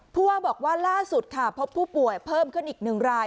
ผู้ว่าบอกว่าล่าสุดค่ะพบผู้ป่วยเพิ่มขึ้นอีก๑ราย